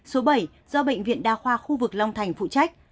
số bảy do bệnh viện đa khoa khu vực long thành phụ trách